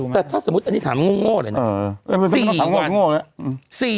แต่ถ้าสมมุติอันนี้ถามโง่เลยนะ